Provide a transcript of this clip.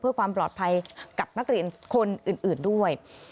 เพื่อความปลอดภัยกับนักเรียนคนอื่นด้วย